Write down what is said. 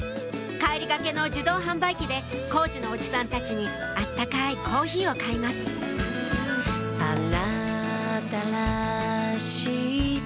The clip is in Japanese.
帰りがけの自動販売機で工事のおじさんたちに温かいコーヒーを買いますあっ！